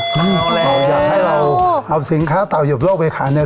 เราอยากให้เราเอาสินค้าเต่ายบโรกไปขายใน๗๑๑